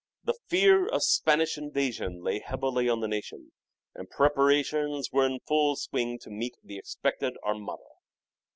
Preparations The fear of a Spanish invasion lay heavily on the nation and preparations were in full swing to meet the expected Armada.